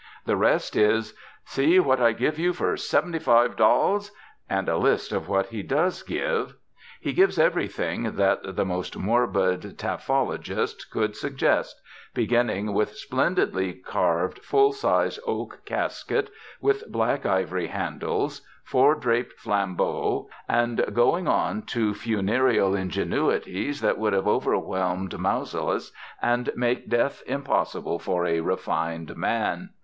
The rest is, "See what I give you for 75 dols.!" and a list of what he does give. He gives everything that the most morbid taphologist could suggest, beginning with "splendidly carved full size oak casket, with black ivory handles. Four draped Flambeaux...." and going on to funereal ingenuities that would have overwhelmed Mausolus, and make death impossible for a refined man.